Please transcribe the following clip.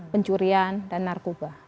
pencurian dan narkoba